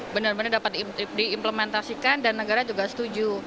bener bener dapat di implementasikan dan negara juga setuju